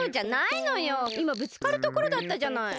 いまぶつかるところだったじゃない。